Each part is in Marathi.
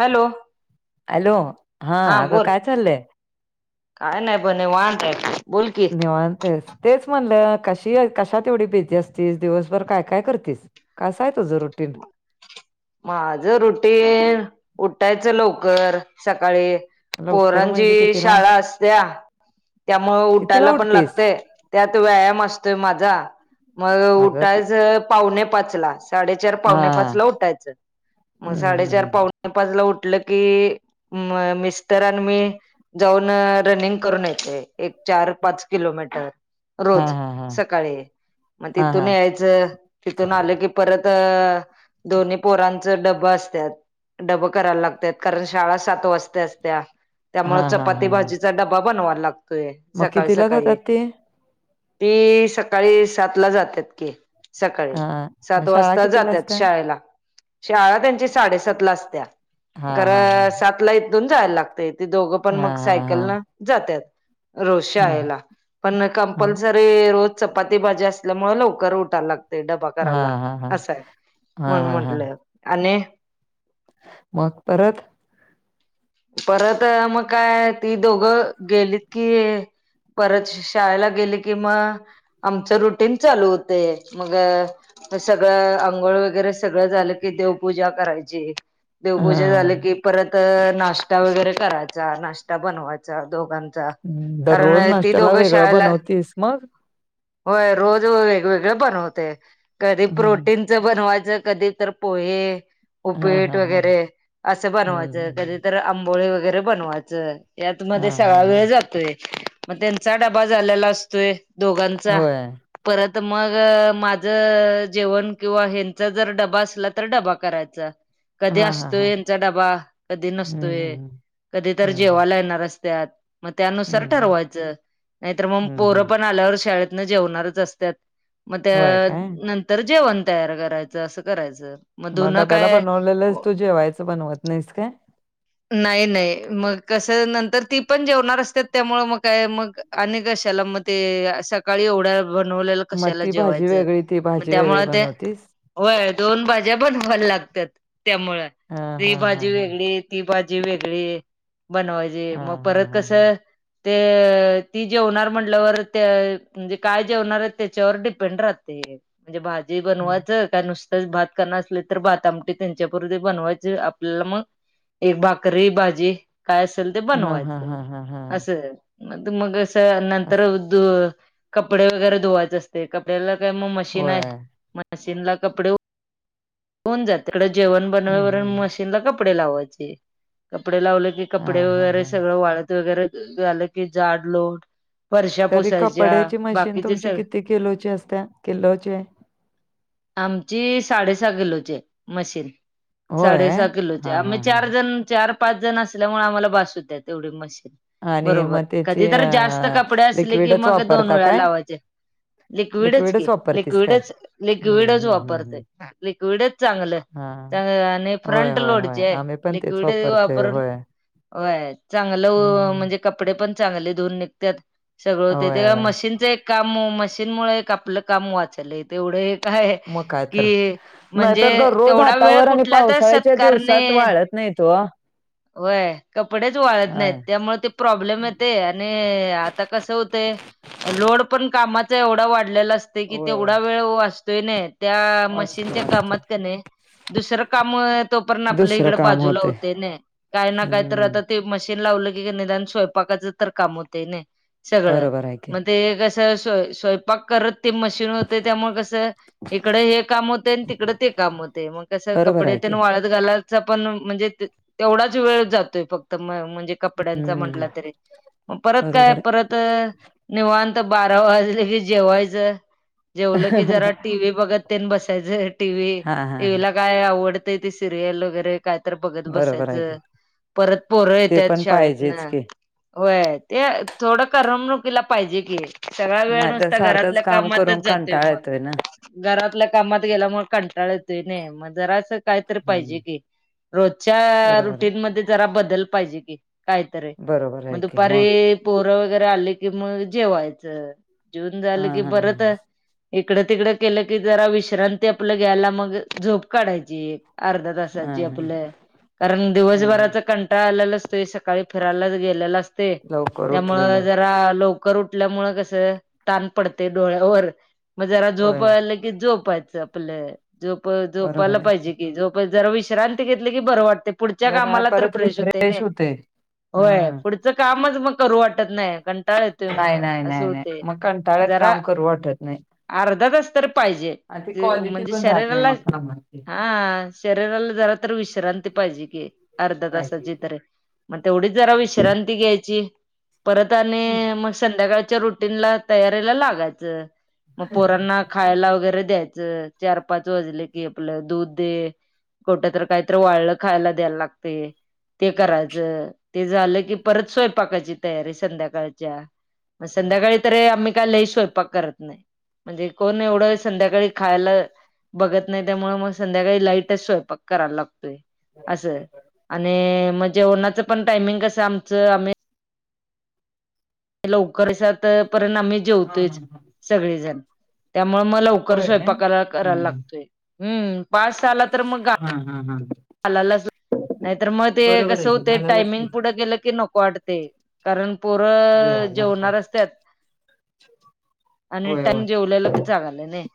हॅलो. हॅलो हा अगं काय चाललंय. काय नाही पणे वात आहे बोलकी निवांतेस तेच म्हणलं कशी कशातात एवढी बिजी असतीस दिवसभर काय काय करतीस. कसं आहे तुझ रुटीन. माझं रुटीन उठायचं लवकर सकाळी लवकर म्हणजे पोरांची कितीला शाळा असत्या त्यामु कितीला उठायला पण उठतीस लागते. त्यात व्यायाम असतोय माझा, मग अगं कि उठायच पावणे पाच ला साडे हा पावणे पाच उठायचा. हम्म साडे हम्म चार हम्म पावणे पाजला उठलं की मिस्टर आणि मी जाऊन रनिंग करून येते एक चार पाच किलोमीटर हा रोज हा हा सकाळी मग हा हा तिथून यायचं तिथून आलं की परत तर दोन्ही पोरांच डबबा असतात. डबं करायला लागतात कारण शाळा सात वाजत्या असत्या. हा त्यामुळे हा हा चपाती हा भाजीचा डबा बनवाला लागतोय मग सकाळी कितीला सकाळी जातात ते ती सकाळी सात ला जातात की सकाळी हा मग सात वाजता. शाळा कितीला जातात असते शाळेला शाळा त्यांची साडे सात असत्या हा हा हा खरा सात आपला दोन जायला लागतय ते दोघं पण हा मग हा सायकल हा न जातात. रोज हम्म शाळेला पण हा कम्पल्सरी हे रोज चपाती भाजी असल्यामुळे लवकर उठायला लागते डबा हा करायला. हा हा असंय हा म्हणून हा हा म्हटलं, आणि मग परत. परत मग काय, ती दोघं गेलीत, की परत शाळेला गेली, कि म्हा. आमच रुटीन चालू होते मग सगळ अंघोळ वगैरे सगळं झालं की देवपूजा करायची, हा देवपूजा झाल की परत नाश्ता वगैरे करायचा, नाश्ता बनवायचा दोघां हम्म, कारण दररोज ती नाश्त्याला दोघं वेगळं शाळेला बनवतीस मग होय रोज वेगवेगळे बनवते कधी हं. प्रोटीन. ज बनवायच,, कधी तर पोहे. हां, उपीट हां, हां. वगैरे, असं हं, बनवायचं, हं, हं. कधीतर आंबोळी वगैरे बनवायचं. यात मध्ये हां, हां, सगळा वेळ हां. जातोय,, मग त्यांचा डबा झालेला असतोय. दोघांचा,, होय. परत मग माझं. जेवण किंवा हंचा जर डबा असला,, तर डबा करायचा, कधी हां, हां, असतोय हां. यांचा डबा,, कधी हं, नसतोय. हं, हं. कधी तर हं, हं. जेवायला येणार आस्त्यात. मग त्यानुसार हं, हं. ठरवायचं,, नाही तर मग हं, पोरं हं. पण, आल्यावर शाळेत. न,, जेवनारच असत्यात, म त्या होय काय? नंतर ऽ तर जेवण तयार करायचं,, असं करायचं. मग म धुनं डब्याला चं काय बनवलेलंच,, तू जेवायला बनवत नाहीस काय? नाही नाही,, मग कसंय,, नंतर ती पण जेवणार असतेत,, त्यामुळ मग, काय मगऽ अने गशाला मग ते,, सकाळी एवढा बनवलेलं मग कशाला ती भाजी जेवायचं,,, वेगळी, ती मग भाजी वेगळी त्यामुळ ते बनवतीस? होय, दोन भाज्यां बनवाय लागतात,, त्यामुळ, हां, ती हां, हां, भाजी हां. वेगळी, ती भाजी वेगळी,, बनवायची, मग हां, परत हां, हां, हां. कसं. ते,, ती, जेवनार म्हटल्यावर, म्हणजे, काय जेवनार हाईत त्याच्यावर डिपेंड राहत. म्हणजे भाजी हं. बनवायचच. काय नुसतच भात खानार असले तर भात आमटी त्यांच्यापती बनवायचे,, आपल्याला मग एक भाकरी, भाजी, काय असेल ते हां, हां, बनवायचं,, हां, हां, हां. असं. मग, मग अस, नंतर असं. कपडे वगैरे धुवायच असत. ते,, कपड्याला काय मग मशीन आहे, होय. मशीन ला कपडे. होऊन जात,, तिकडे जेवण हं, बनवावर हं. मशीनला कपडे लावायचे,, कपडे लावले की कपडे हां, हां, वगैरे हां. सगळं, वाळत वगैरे झालं की, जाड लोट. फरशा तरी पुसायच्या कपड्याची मशीन बाकीचे तुमची सग किती किलोची असत्या,,? किलोचे आमची साडेसहा किलोचीय,, मशीन होय? साडेसहा किलोचे, हां, आम हां, हां. चार पाच जण असल्यामुळे आम्हाला भास हुत्या द,, तेवढी मशीन. आणि मग बरोबर, त्याची कधीतरी जास्त अ, कपडे असले की लिक्विडच मग दोन वापरता वेळा काय? लावायचे. लिक्विडच की, वापरतीस काय? लिक्विडच, हं, लिक्विडच हं, हं, वापरतय, हं. लिक्विडच चांगलं‌घ. हां. त होय, फ्रंट होय, होय. लोडचीय,, आम्ही पण तेच लिक्विड वापरतोय. वापरून होय. वय,, चांगलं, हं. म्हणजे कपडे पण चांगले धुऊून निघतात. सगळं होत,,, ते होय, होय. मशीनचं एक काम, मशीनमुळे एक आपलं काम वाचलंय. तेवढ काय मग काय तर. की म्हणजे नाहीतर दररोज तेवढा वेळ हातावर आणि कुठला तर पावसाळ्याच्या सत्कारणे. दिवसात वाळत नाहीत वो. होय, कपडेच वाळत नाहीत, होय. त्यामुळे ते प्रॉब्लेम येतय,, आणि, आता कस होतय,, लोड पण काम एवढा वाढलेला असतोय कि,, होय, होय. तेवढा वेळ वाचतोय नाही. त्या वाचते, मशीनच्या वाचते. कामात क णै,,, दुसरं काम, तोपर्यंत आपल्या दुसरं इकडे काम बाजू. होतंय. काय ना काय तर हं. आता म ला स्य काम होत. बरोबर आहे की. स्वयंपाक करत ते मशीन होतेय, त्यामुळे कसं. इकडं हे काम होतं आणि तिकडं ते काम होते मग कसं बरोबर कपडे आहे की. वाळ. घालाय पण म्हणजे तेवढाच वेळ जातोय फक्त म्हणजे. कपडयां चा हं. म्हटल तरी काय बरोबर परत. निवांत बारा वाजले की जेवायचं. जेवलं की जरा आहे. टीव्ही बघत ते बसायच टीव् हां, हां, टीव्ही हां. ला. काय आवडत तय ते सिरियल वगैरे काय तर बघत बरोबर आहे की. बसायचं,, परत पोरं ते येतात पण पाहिजेच शाळेतन‌. की. होय,, ऊबंते थोडं करमणुकीला पाहिजे की. सगळा वेळ नाही तर नुसता सारखंच घरातल्या काम करून कामातच जातोय कंटाळा येतोय ना मग घरातल्या कामात गेल्यामुळे कंटाळ येतोय ना मग जरासं काहीतरी हम्म पाहिजे की. रोजच्या बरोबर आहे. रुटीन मध्ये जरा बदल पाहिजे कि कायतरी बरोबर मग आहे की दुपारी. पोरं वगैरे आले की मग जेवायचं जेवन हा झालं की हा हा परत. इकडं तिकडं केलं की जरा विश्रांती आपलं घ्यायला मग झोप काढायची एक. अर्धा हा हा तासाची हा आपलं कारण हा दिवसभराचा कंटाळा आल्याला असतोय सकाळी फिरायलाच गेलेल असतय लवकर त्यामुळ उठलेलं जरा लो शंकर उठल्यामुळे कस ताण पडतय डोळ्यावर मग जरा झोप होय आल की झोपायच आपलं जो बरोबर झोपायला आहे. पाहिजे की झोप जरा विश्रांती. घेतली की बरं वाटतय पुढच्या जरा कामाला तर परत फ्रेश होतय नी रिफ्रेश होते होय हम्म पुढचं कामच मग करू वाटत नाही कंटाळा ये नाही नाही नाही नाही मग कांटाळ्यात जरा काम करू वाटत नाही. अर्धा तास तर पाहिजे. आणि ती जे क्वालिटी म्हणजे पण राहत नाही शरीराला मग कामात ती हा शरीराला जरा तर विश्रांती पाहिजे की अर्ध्या पाहिजे तासाची ती तरी. मग तेवढीच जरा विश्रांती घ्यायची परत हम्म. आणि मग संध्याकाळच्या रुटी. नला तयारीला लागायच मग पोरांना खायला वगैरे द्यायचं चार पाच वाजले की आपलं दूध दे कुठ तर. काहीतरी वाळलं खायला द्यायला लागतंय. ते करायचं ते झालं की परत स्वयंपाकाची तयारी संध्याकाळच्या. मग होय, संध्याकाळी तरी आम्ही काय लई स्वयंपाक करत. नाही म्हणजे कोण एवढं संध्याकाळी खायला. बघत नाही त्यामुळे मग संध्याकाळी लाईटच स्वयंपाक. करावा लागतोय अस आणि मग जेवणाच पण टायमिंग कस आमच आम्ही लवकर सात पर्यंत आम्ही हा जेवतोयच हा हा सगळेजण त्यामुळे मग लव कर होय ना स्वयंपाक हा करायला लागतोय हम्म पाच सहाला तर मग. हम्म हम्म हम्म घालायलाच लागतंय नाहीतर मग ते कसं आहे की होतंय घालायलाच टायमिंग पाहिजे पुढं गेलं की नको वाटतंय कारण पोरं. जेवायला जेवणार असत्यात आणि होय टाम होय जेवलेल चांगल नाही.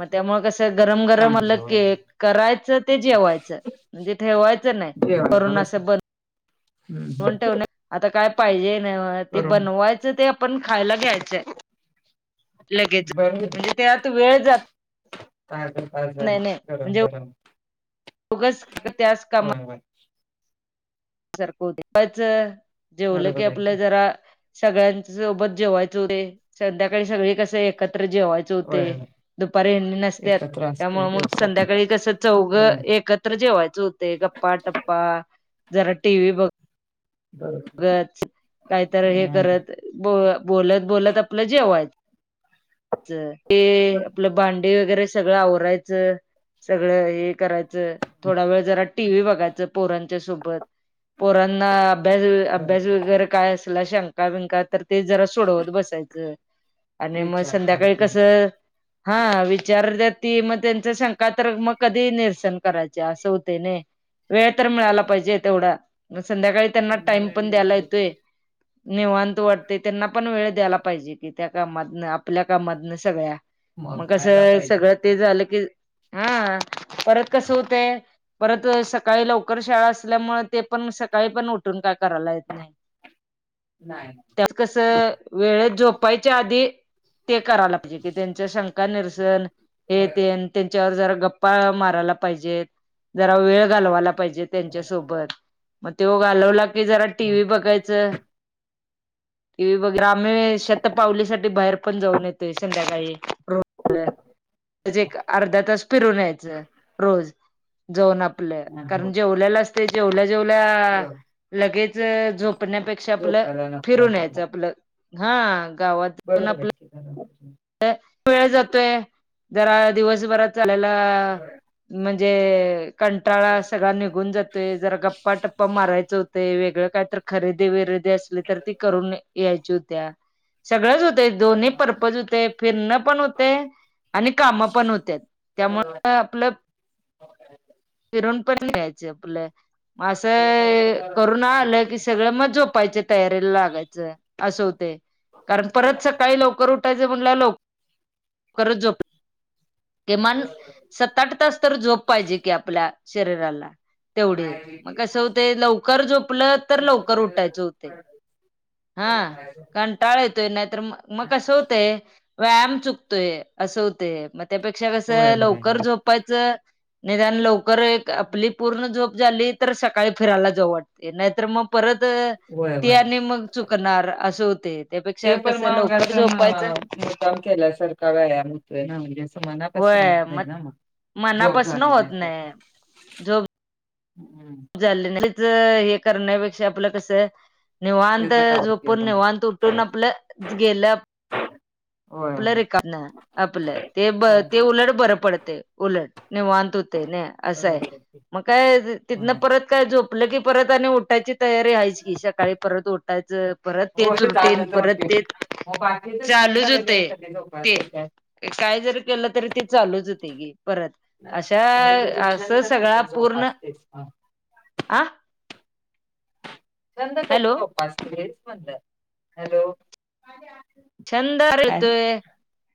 मग त्यामुळं कसं गरम गरम आलं चांगलं होय केक करायचं ते जेवायचं. म्हणजे ठेवायचं नाही जेवायला करुना बस असं ब. हम्म हम्म आता काय पाहिजे नव्ह ते बनवायचं ते आपण खायला घ्यायचंय. लगेच बर म्हणजे त्यात वेळ जात. काय [unintelligible] गरम गरम उगाच त्याचं कामात होय होय च जेवलं की बरोबर आहे आपल जरा. सगळ्यांन सोबत जेवायच होतंय संध्याकाळी सगळी कसं एकत्र जेवायच. होय होय दुपारी हयानी नसत्यात एकत्र असतोय त्यामुळं मग दिवसात संध्याकाळी कस चौघ होय एकत्र जेवायच होतय गप्पा टप्पा जरा टीव्ही बघ. बरोबर ब काहीत हे हं करत ब बोलत बोलत आपलं जेवायच ते आपलं भांडे वगैरे सगळं आवरायचं सगळं हे करायचं थोडा वेळ जरा टीव्ही बघायचं पोरांच्या सोबत पोरांना अभ्यास अभ्यास बरोबर वगैरे काय असेल शंका बिंका तर ते जरा सोडवत बसायचं आणि मग विचारतात संध्याकाळी ते कसं हा विचारत्याती मग त्यांच शंक तर मग कधी निरसन करायचे असं होतंय नी वेळ तर मिळाला पाहिजे तेवढा संध्याकाळी त्यांना टाइम वेळ पण दिला द्यायला पाहिजे येतोय. निवांत वाटतंय त्यांना पण वेळ द्यायला पाहिजे की त्या कामातन आपल्या कामातन सगळ्या मग असं सगळं ते झालं की हा. परत कस होते. परत सकाळी लवकर शाळा असल्यामुळे ते पण सकाळी पण उठून काय करायला येत नाही. नाही कस वेळ झोपायच्या आधी ते करायला पाहिजे की त्यांच शंका निरसन हे होय ते त्यांच्यावर जरा गप्पा मारायला पाहिजेत जरा वेळ घालवायला जे त्यांच्या होय सोबत मग ते घालवला की जरा मग टीव्ही काय बघायचं टी व् वगैरे आम्ही शेत पावलीसाठीठी बाहेर पण जाऊन येतोय संध्याकाळी रोज त एक अर्धा तास फिरून यायचं रोज जाऊन आपलं हं हं कारण जेवल्याला असते जेवल्या जेवल्या ज लगेच झोपण्यापेक्षा आपलं झोपायला नको फिरून न वाटत यायचं आपलं हा गावात जाऊन बरोबर आपला आहे वेळ जातोय जरा दिवसभरात चालेला होय म्हणजे कंटाळा सगळा निघून जातोय जरा गप्पा टप्पा मारायच होत वेगळ काही तर खरेदी विरेदी असली तर ती करून यायची होत्या सगळंच होतं दोनही परर्पज हो फिरणं पण होते आणि काम पण होत त्यामु आपलं हो फिरून पण घ्यायच आपलं होय असं होय करून आलं की सगळं मग झोपायच तयारीला लागायचं असं होते कारण परत सकाळी लवकर उठायच म्हण ल करो कमान सत् आठ तास तर झोप पाहिजे कि आपल्या शरीराला तेवढे मग कसं होते लवकर झोपलं तर लवकर उठायचं होते हा कारण टाळा येतोय नाहीतर म मग कसं होतय व्यायाम चुकतोय असं होते मग त्यापेक्षा कसं होय लवकर झोप निदान लव ल आपली पूर्ण जोब झाली तर सकाळी फिरायला जा वाटते नाहीतर मग परत होय होय तेने मग चुकणार असे होते ते त्यापेक्षा पण कसं मग लवकर असं म झोपायचं मुद्दाम केला सारख व्यायामत ना म्हणजे मनापासून होत होय नाही मग ना मग झोब मनापासन झाली होत नाही तर झोप हम्म हे करण्यापेक्षा आपलं कसं निवांत त्याचा काय उपयोग झोपून नाही निवांत उठून आपलं गेल्या होय आपल्या होय रे आपलं ते ब होय ते उलट बरं पडते उलट नाही वानत हो ते नाही असंय बरोबर आहे की. मग काय तिथन होय परत का झोपलं की परत आणि उठायची तयारी आहेयच की सकाळी परत परत होय तेच रुटीन चाललं तर परत रुटीन ते मग बाकीचे छंद चालूच हो [unintelligible] काय जरी केलं तरी ते चालूच होते गी परत अशा अ तुझे असं छंद सगळा कसे पूर्ण जोपासतेस आ छंद हॅलो सोप असतेच म्हणलं हॅलो छंद ह यतोय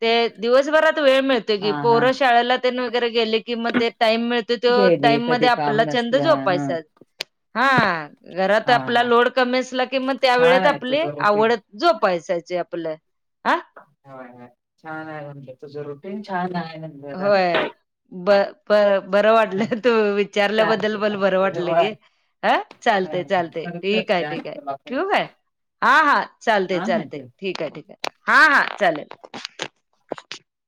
ते दिवसभरात वेळ मिळतोय की हा हा पोरशाळेला वगैरे गेले कि म ते टाइम मिळतो ते गेली टाईम कधी मध्ये काम आपल्याला छंद नसलं ह जोपायचा हा घरात हा आपला हा लोड कमी असला की मग त्या छान वेळेत आहे आपली तुझं रुटीन आवडत जो पहिसायचे आपल्या हा ह छान आहे म्हणजे तुझं रुटीन छान आहे म्हणलं होय ब प बरं होय वाटलं तू विचारल्याबद्दल चालते मला बरं चालते वाटलं होय गे. हा चालत चालत परत ठीक आहे करते आणि ठीक आहे तुला फोन ठेू आहे. हा हा चालते हा हा चालते ठेव ठीक आहे ठीक आहे हा हा चालेल.